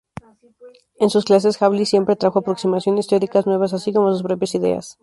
En sus clases, Hawley siempre trajo aproximaciones teóricas nuevas así como sus propias ideas.